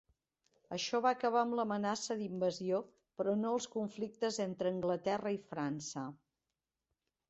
Això va acabar amb l'amenaça d'invasió, però no els conflictes entre Anglaterra i França.